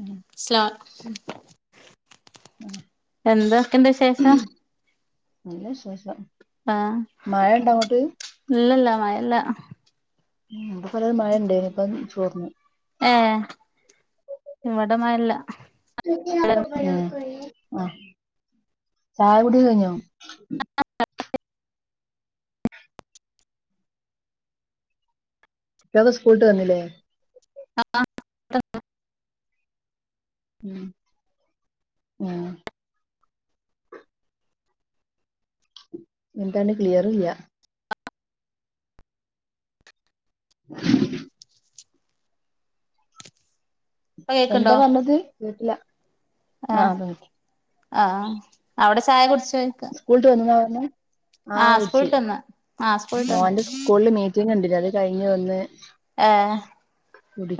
ഉം സ്ലാ എന്തൊക്കെയുണ്ട് വിശേഷം? നല്ല വിശേഷം ആ മഴ ഇണ്ട അങ്ങോട്ട് ഇല്ലില്ല മയയില്ല. ഉ ഇപ്പ പോലും ഒരു മഴ ഉണ്ടെനു ഇപ്പ തോർന്നു. ഏ ഇവിടെ മയയില്ല. ഉം ആ ചായ കുടി കഴിഞ്ഞോ? കുട്ട്യോൾ സ്കൂൾട്ട് വന്നില്ലേ? [unintelligible] ഉം ആ എന്താണ് ക്ലിയറില്ല്യ. ഇപ്പൊ എന്താ പറഞ്ഞത് കേട്ടില്ല ആ ആഹ് അതെ ആ അവിടെ ചായ കുടിച്ചോയ്ക്ക സ്കൂൾട്ട് വന്നുന്നാ പറഞ്ഞെ ആ ആഹ് വിടിച്ചി സ്കൂളിട്ടന്ന് ആഹ് സ്കൂളിട്ടന്ന് മോന്റെ സ്കൂളില് മീറ്റിംഗ് ഉണ്ടിനു അത് കഴിഞ്ഞ് വന്ന് ആ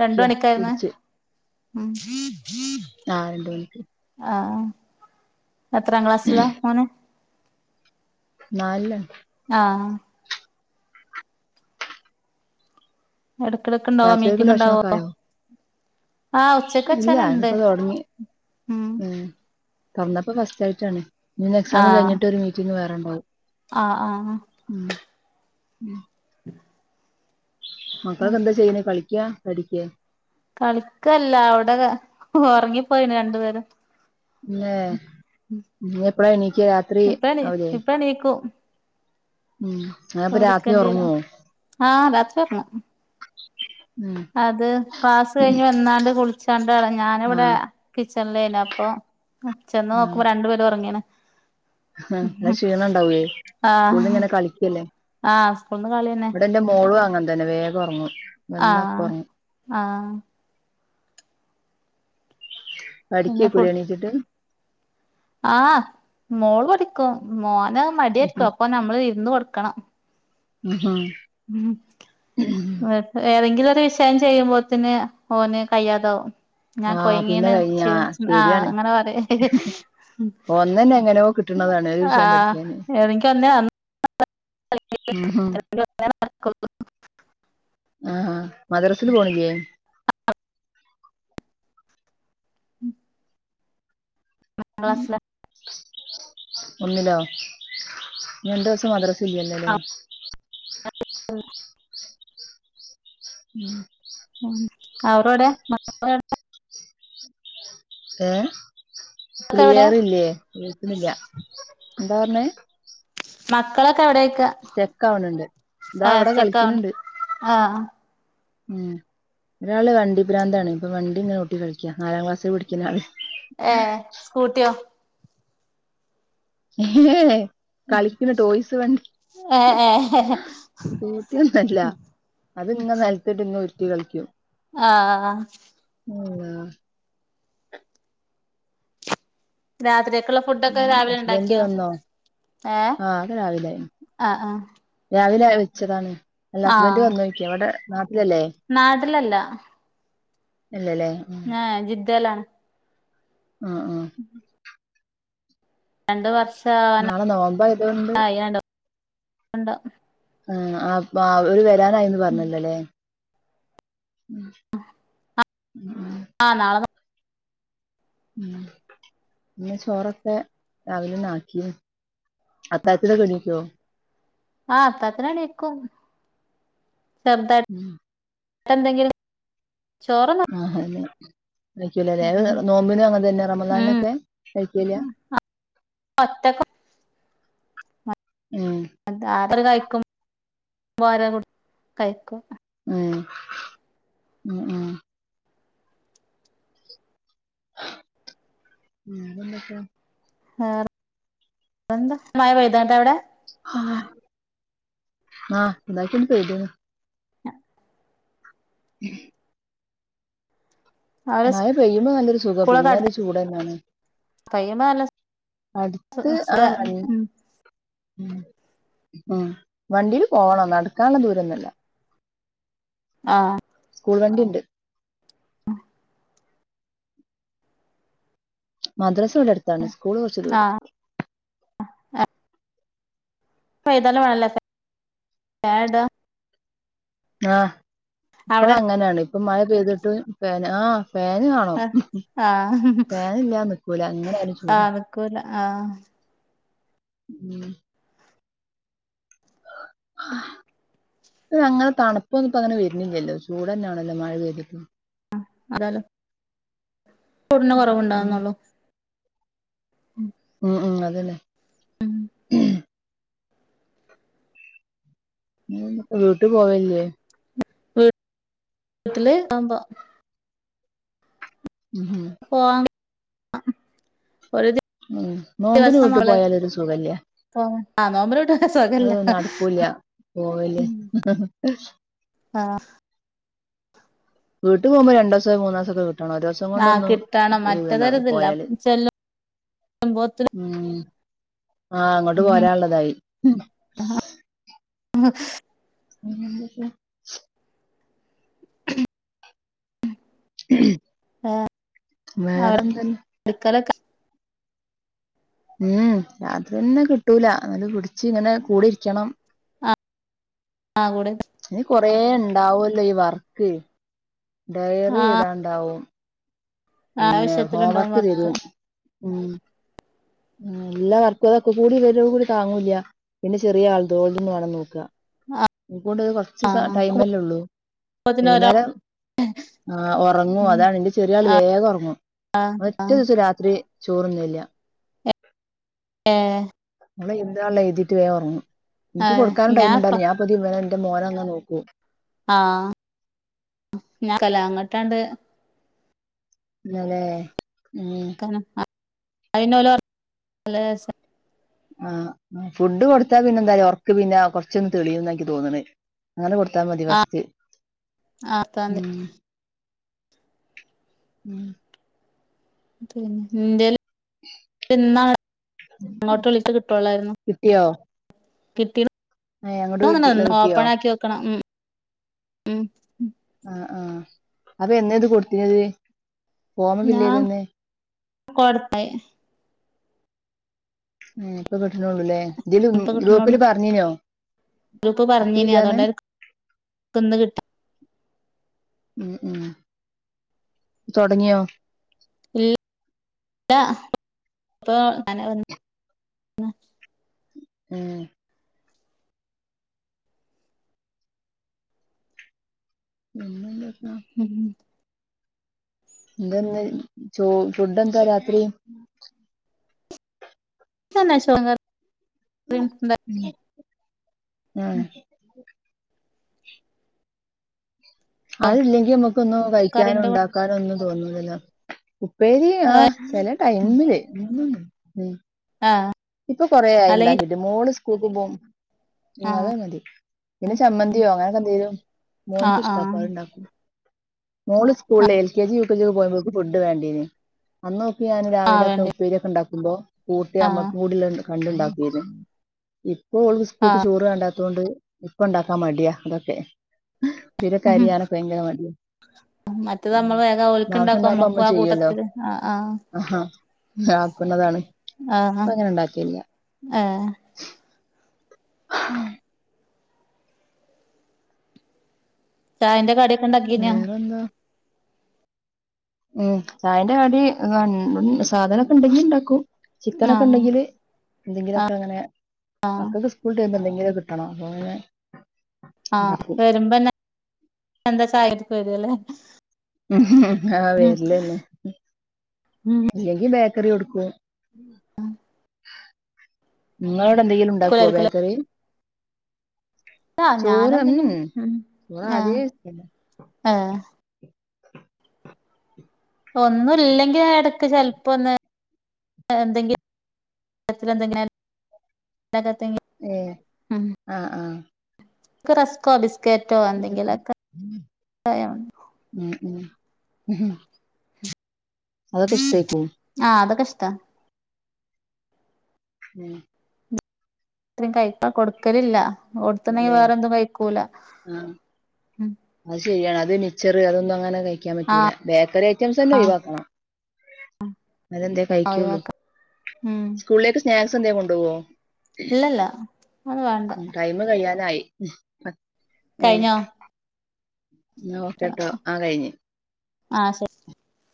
രണ്ട് മണിക്കായിരുന്നു ഉം ആ രണ്ടുമണിക്ക് ആഹ് എത്രാം ക്ലാസ്സിലാ മോന്? നാലിലാണ്. ആ എടക്കിടക്ക് ഇണ്ടാവോ രാത്രീലേക്കു മീറ്റിംഗ് ഇണ്ടാവോ ഭക്ഷണൊക്കെ ആയോ? ആഹ് ഉച്ചക്ക് ഇല്ല, വെച്ചാനുണ്ട് അതിപ്പോ തൊടങ്ങി ഉം. പറഞ്ഞപ്പോ ഫസ്റ്റ്‌ ആയിട്ടാണ് ന്നിനി എക്സാം കഴിഞ്ഞിട്ടൊരു മീറ്റിംഗ് വേറൊണ്ട് ആ ആ ഉം മക്കളൊക്കെ എന്താ ചെയ്യണേ കളിക്കാ പഠിക്കാ കളിക്കല്ല, അവിടെ ഒറങ്ങിപ്പോയിണ് രണ്ടുപേരും. പിന്നെ നീ എപ്പഴാ എണീക്ക രാത്രി ആവൂലേ ഇപ്പെണീക്കും. ഉം അപ്പൊ രാത്രി വിളിക്കേണ്ടി വരും ഉറങ്ങുവോ ആ രാത്രി ഒറങ്ങും. ഉം അത് ക്ലാസ് കഴിഞ്ഞ് വന്നാണ്ട് കുളിച്ചാണ്ടാണ് ഞാനിവിടെ ആഹ് കിച് ചൻലേന് അപ്പൊ ചെന്ന് നോക്കുമ്പോ രണ്ടുപേരും ഉറങ്ങേണ്‌ ആ നല്ല ക്ഷീണം ഉണ്ടാവേ, ആഹ് സ്കൂളിലിങ്ങനെ കളിക്കല്ലേ. ആഹ് സ്കൂൾന്ന് കളിയന്നെ ഇവിടെന്റെ മോളും അങ്ങനെ തന്നെ വേഗം ഒറങ്ങും. ആ ആ പടിക്കേ പിന്നെ ഫു കുര്യാണീച്ചിട്ട് ആഹ് മോള് പഠിക്കും മോന് മടിയായിരിക്കും അപ്പൊ നമ്മള് ഇരുന്ന് കൊടു ക്കണം [unintelligible] ഏതെങ്കിലും ഒരു വിഷയം ചെയ്യുമ്പോത്തേന് ഓന് കയ്യാതാവും ഞാൻ ആഹ് പിന്നെ കൊയങ്ങീന്ന് കഴിഞ്ഞ ഷീണിച്ചെന്ന് ആഹ് ശരിയാണ് അങ്ങനെ പറയും ഒന്നന്നെ എങ്ങനെയോ കിട്ടണതാണ് ഒരു വിഷയം ആഹ് പഠിക്കാന് എനിക്ക് തന്നെ ഉം ഹും [unintelligible] ആഹ് മദ്രസയിൽ പോണില്ലേ ഒന്നാം ക്ലാസിലാ ഒന്നിലോ രണ്ട് ദിവസം മദ്രസ് [unintelligible] മ്ഹ് ഉം അവരെവടെ മക്കളെവിടെ ഏ എവിടെ ക്ലിയറില്ലേ കേക്കുന്നില്ലേ എന്താ പറഞ്ഞേ മക്കളൊക്കെ എവിടെ ചെക്ക അവിടൊണ്ട് ആഹ് താവിടെ സെക്കൗണ്ട് കളിക്കണണ്ട് ആഹ് ഉം ഒരാള് വണ്ടിപ്രാന്താണ് ഇപ്പൊ വണ്ടി ഇങ്ങനെ ഓട്ടി കളിക്കാ നാലാം ക്ലാസിൽ പടിക്കുന്ന ആള് ഏ സ്കൂട്ടിയോ [unintelligible] കളിക്കുന്ന ടോയ്സ് വണ്ടി ഏഹ് ഏഹ് സ്കൂട്ടിയൊന്നുമല്ല അത് ഇങ്ങ നിലത്തിട്ട് ഇങ്ങ് ഉരുട്ടി കളിക്കും ആഹ് ആ രാത്രി ഹസ്ബൻഡ് വന്നോ ഏഹ് ആഹ് അത് രാവിലായി ആഹ് ആഹ് രാവിലെ വെച്ചതാണ് അല്ല ഹസ്ബൻറ് ആഹ് വന്നോയിക്ക ഇവിടെ നാട്ടിലല്ലേ അല്ലല്ല ഇല്ലല്ലേ ഉം ആ ജിദേലാണ് ആഹ് ആഹ് രണ്ട് വർഷാവാനായി നാളെ നോമ്പായതുകൊണ്ട് [unintelligible] ആ ഓര് വരാനായിന്ന് പറഞ്ഞല്ലോല്ലേ ഉം ഉം ആഹ് നാളെ ഉം പിന്നെ ചോറൊക്കെ രാവിലെ തന്നെ ആക്കി അത്താഴത്തിനൊക്കെ എണീക്കൊ ആഹ് അത്താഴത്തിനെണീക്കും ചെറുതായി എന്തെങ്കിലും ചോറൊന്നും ആഹ് അതെ കഴിക്കൂല അല്ലെ നോമ്പിനും അങ്ങനെ തന്നെ ഉം റമളാനിലൊക്കെ കഴിക്കൂല വത്തക്ക ഉം അ അത്ര കഴിക്കും [unintelligible] കഴിക്കും ഉം ഉം ഉം ഉം വേറെ എന്തൊക്കെയാ ആ വേറെഎന്താ മഴ പെയ്തോണ്ടവടെ ആ ആഹ് ഇതാക്കന്ന പേയ്തീന് ഉ ഉം അവര് മഴ പെയ്യുമ്പോ നല്ലൊരു സുഖം സ്കൂളൊക്കെ പിന്നെ അടു ഒരു ചൂടന്നാണ് കയ്യുമ്പോ നല്ല അടുത്ത് ആ സുഖ വണ്ട് ഉം ഉം ഉം വണ്ടിൽ പോണം നടക്കാനുള്ള ദൂരൊന്നല്ല ആഹ് സ്കൂൾവണ്ടി ഉണ്ട് മദ്രാസ ഇവടെ അടുത്താണ് സ്കൂള് കുറച്ച് ദൂരം ആഹ് [unintelligible] [unintelligible] ആഹ് ഇപ്പൊ അവിടെ അങ്ങനെയാണ് ഇപ്പൊ മഴ പെയ്തിട്ട് പേന ആ ഫാൻ കാണും ആഹ് ആഹ് ഫാനല്ലാതെ നിക്കൂല എങ്ങനെ ആയാലും ചൂടാ ആഹ് നിക്കൂല ആഹ് ഉം [unintelligible] അങ്ങനെ തണുപ്പൊന്നും ഇപ്പോ അങ്ങനെ വരുന്നില്ലല്ലോ ചൂട്ന്നെയാണല്ലോ മഴ പെയ്തിട്ടും ആഹ് അതാല്ലോ പുണ്ണ് ഉം കുറവുണ്ടാവകുന്നുള്ളു ഉം ഉം അതന്നെ ഉം ഉ വീട്ടിൽ പോവല്ല വീട്ടല് ഇതാകുമ്പോ ഹും ഹും ആഹ ഒരു ഉം നോമ്പിന് ദിവസം വീട്ടിൽ ള പോയാലൊരു ആ നോമ്പട്ട [unintelligible] അതൊന്നും നടക്കൂല പോവല് ആ വീട്ടും പോവുമ്പോ രണ്ടോസൊ മൂന്നാസൊ നി ക ഒരു ദിവസം ആഹ് കൊണ്ടൊന്നും കിട്ടണം ഒരു ഇത്ണ്ടാവെ മറ്റതൊരിതില്ല പോയാല് ചെല്ലുമ്പോത്തിന് ഉ ആ അങ്ങോട്ട് പോരാനുള്ളതായി ആ പിന്നെ എന്തൊക്കെ ഉം ആ അവടെ അടുക്കലൊക്കെ ഉം അത് തന്നെ കിട്ടൂല എന്നല് പിടിച്ച് ഇങ്ങനെ കൂടെ ഇരിക്കണം ആ കൂടെ ഇനി കൊറേ ഇണ്ടാവല്ലോ ഈ വർക്ക് ഡയറി ആഹ് എയ്താണ്ടാവും പിന്നെ ആവശ്യത്തിലുണ്ടാവും ഹോംവർക്ക് വർക്ക് തരും ഉം എല്ലാ വർക്കും തൊക്ക കൂടി ഇവരെ കൂടി താങ്ങൂല്ല പിന്നെ ചെറിയ ആൾതും ഓല്തും മാണം നോക്കാ അത് കെണ്ട് കൊറച്ച് ആഹ് ടൈമല്ലേ ഉള്ളൂ പ്പോത്തിന് ഒരാ വൈകുന്നേരം ആ ഉറങ്ങു ഉം അതാണ് എന്റെ ചെറിയ ആൾ വേ റങ്ങു ഒറ്റേ ദിവസം രാത്രി ചോറ് തിനില്ല ഹേ ഓള് എഴുതാൻ ഉള്ളത് എഴുതിയിട്ട് വേ ഉറങ്ങും ആ എനിക്ക് കൊടുക്കാനും ടൈം ഉണ്ടാകില്ല ഞാൻ പതി ന്റെ മോന് അങ്ങനെ നോക്കും ആ ഞാൻ കലങ്ങോട്ടാണ്ട് അതേ ഉ അയിന് ഒല് വന്ന് ശേഷം ആ ഫുഡ് കൊടുത്താ പിന്നെ എന്തായാല ഒറക്ക് പിന്ന കൊറച്ചൊന്ന് തെളിയുംന്ന എനിക്ക് തോന്ണ് അങ്ങനെ കൊടുത്താൽ മതി ആ പസ്റ്റ് ആ ഉ പത്താംതി ഉം പിന്നെ ഇൻന്റെയ് പിന്ന അങ്ങോട്ട് വിളച്ച് കിട്ടുവുള്ളായിരുന്നു കിട്ടിയോ ഏ അങ്ങോട്ട് മൂന്നെണ്ണം വന്നോ കിട്ടിയോ ഓപ്പൺ ആക്കി വെക്കണം ഉം ഉം ആ ആ അപ്പോ എന്ന ഇത് കൊടുത്തിനിത് ഫോമ് ഫില്ല് ചെയ്ത് ഞാൻ എനേ കൊടുത്ത മം ഇപ്പ കിട്ട്ന്നെള്ളൂല്ലേ ഇതില് ഇപ്പ കിട്ടണൊള്ളൂ ഗ്രൂപ്പില് പറഞ്ഞിനോ ഗ്രൂപ്പ് പറഞ്ഞന് കിട്ടിയില്ലാന്ന് അതുകൊണ്ട് അവർക്കിന്ന് കിട്ടാ ഉം ഉം തൊടങ്ങിയോ? ഇല്ല ഇപ്പോ അങ്ങനെ വന്ന് പിന്നെ ഉം ഒന്നൂല്ല ഇപ്പോ ഉം എന്താ ഇന്ന് ചോ ഫുഡ് എന്താ രാത്രി ഇതൊന്ന് അഴിച്ചു നോക്ക [unintelligible] ഉം ഉം ആ ഉം അതിലെങ്കി നമ്മുക്കൊന്നു കഴിക്കാനോ കറിന്റെ കൂടെ ഉണ്ടാക്കാനോ ഒന്നും തോന്നുല്ലല്ലോ. ഉപ്പേരി ആ ചെല ഉം ടൈമിൽ മം. ആ ഇപ്പോ കൊറായി അല്ലെങ്കി ഉണ്ടാക്കിട്ട് മോള് സ്കൂൾക്ക് പോകും. ഉ ആ അതെ മതി. പിന്നെ ചമ്മന്തിയോ അങ്ങനെയെക്കെ എന്തേലും. ആ മോൻക്ക് ആ ഇഷ്ട്ടാ അപ്പോ ഉണ്ടാക്കും. മോൾ സ്കൂളിൽ L K G, U K G ഒക്കെ പോയപ്പോക്ക് ഫുഡ് വേണ്ടീനീ അന്ന് ഞാൻ ആ രാവിലെ ഒക്കെ വേണ്ടേ ഉപ്പേരിയെക്കെ ഉണ്ടാക്കുമ്പോ ആ കൂത്തിയമ്മക്കി ല് പണ്ടുയുണ്ടാക്കിയിന് ഇപ്പോ ഓൾക്ക് സ്കൂൾക്ക് ചോറ് വേണ്ട അതൊണ്ട് ഇപ്പോ ഉണ്ടാക്കാൻ മടിയാ അതെക്കെ ഉപ്പേരി ഒക്കെ ഉം അരിയാനൊക്കെ ഭയങ്കര മടിയാ മറ്റത് നമ്മള് വേഗം മം ആവശ്യം ഓൽക്ക്ണ്ടാക്കും ഉണ്ടാവുമ്പോൾ നമ്മൾ നമ്മക്കും ആ ചെയ്യുവല്ലോ കൂട്ടത്തില് ആഹ് ആ ഹാ. ആക്കുന്നതാണ്. ആഹ് ആഹ് ഇപ്പോ അങ്ങനെ ഉണ്ടാകെല്ലേയ്. ഏഹ് ആ മം. ചായന്റെ കടി വേറെന്താ ഉം ചായന്റെ കടി. മം ഉ സാധനക്കെ ഉണ്ടെങ്കിൽ ഉണ്ടാക്കും. ചിക്കനെക്കെ ആഹ് ഉണ്ടെങ്കിൽ എന്തെങ്കിലുമൊക്കെ അങ്ങനെ മക്കൾക്ക് സ്കൂൾ വിട്ടു വരുമ്പോ എന്തെ ങ്കിലും കിട്ടണം അപ്പോ പിന്നെ ആ വരുമ്പന്നെ എന്താ ചായക്ക്‌ വാരൽ. മ് മ് ആ വരലല്ലേ ഉം ഇല്ലെങ്കി ബേ ബേക്കറി കൊടുക്കും. നിങ്ങൾ അവിടെ എന്തെങ്കിലും ഉണ്ടാകോ ബേക്കറി. ആ ചോറ് ഉം ഞാനെന്തെങ്കിലും മം ചോറ് ആ ആദ്യേ വെച്ചതാ ആ. ഒന്നും ഇല്ലെങ്കിൽ ഞാനടയ്ക്ക് ചെലപ്പോ ഒന്ന് എന്തെങ്കിലും [unintelligible] ഞാൻ ഏ ആ ആ റസ്ക്കോ ബിസ്ക്കട്ടോ എന്തെങ്കിലുമെക്കെ അയ ഹും. ആ അതൊക്കെ ഇഷ്ട്ടാ ഉം അത്രയും കയ്പ്പാ കൊടുക്കലില്ല. കൊടുത്ത്നാകിൽ അല്ലേ വേറെന്തും കഴിക്കൂല. ആഹ് ഉം അത് ശരിയാണ് അത് മിച്ചറ് അതൊന്നും അങ്ങനെ കഴിക്കാൻ പറ്റൂല. ആഹ് ബേക്കറി ഐറ്റംസ് എൻഎ ഒഴിവാക്കണം. അതെന്തേ കഴിക്കുള്ളൂ ഒഴിവാക്ക ഉം സ്കൂളിലേക്ക് സ്നാക്സ് എന്തേലും കൊണ്ടുപോവോ ഇല്ലല്ല അത് വേണ്ട ടൈമ് കഴിയാനായി. ഏഹ് കഴിഞ്ഞോ എന്നാ ഒക്കെട്ടോ ആ കഴിഞ്ഞ്. ആ ശെരി.